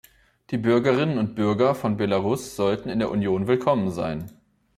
Die Bürgerinnen und Bürger von Belarus sollten in der Union willkommen sein.